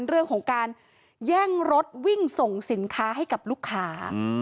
เรื่องของการแย่งรถวิ่งส่งสินค้าให้กับลูกค้า